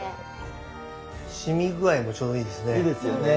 しみ具合もちょうどいいですね。